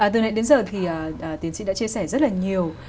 từ nay đến giờ thì tiến sĩ đã chia sẻ rất là nhiều